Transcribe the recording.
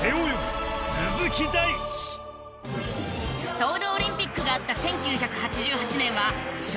ソウルオリンピックがあった１９８８年は昭和６３年。